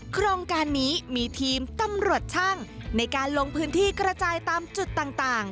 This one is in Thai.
โครงการนี้มีทีมตำรวจช่างในการลงพื้นที่กระจายตามจุดต่าง